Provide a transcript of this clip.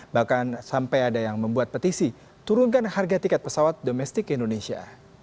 bahkan sampai ada yang membuat petisi turunkan harga tiket pesawat domestik indonesia